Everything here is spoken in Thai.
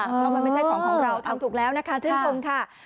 เพราะมันไม่ใช่ของของเราทำถูกแล้วนะคะชื่นชมค่ะ